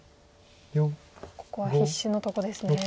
ここは必死のとこですね。